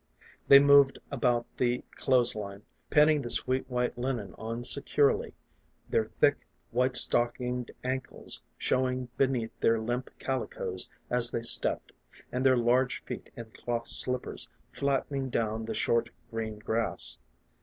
They moved about the clothes line, pinning the sweet white linen on securely, their thick, white stockinged ankles showing beneath their limp calicoes as they stepped, and their large feet in cloth slippers flattening down the short, green grass.